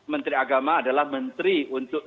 menteri agama adalah menteri untuk